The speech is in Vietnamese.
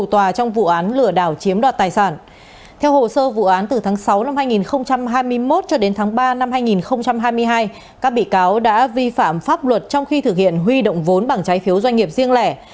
từ tháng sáu năm hai nghìn hai mươi một cho đến tháng ba năm hai nghìn hai mươi hai các bị cáo đã vi phạm pháp luật trong khi thực hiện huy động vốn bằng trái phiếu doanh nghiệp riêng lẻ